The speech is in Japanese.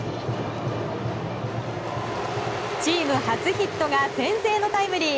チーム初ヒットが先制のタイムリー。